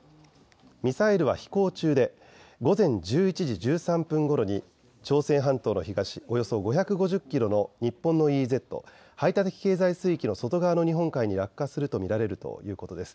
ミサイルは飛行中で午前１１時１３分ごろに朝鮮半島の東およそ５５０キロの日本のＥＥＺ・排他的経済水域の外側の日本海に落下すると見られるということです。